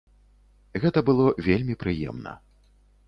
Гэта было вельмі прыемна.